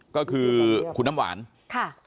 ก็คือคุณน้ำหวานค่ะ